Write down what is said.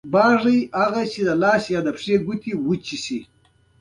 ایا ستاسو شاګردان نوم لری؟